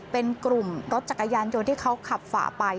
เป็นกลุ่มรถจักรยานยนต์ที่เขาขับฝ่าไป